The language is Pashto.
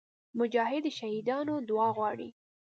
مجاهد د شهیدانو دعا غواړي.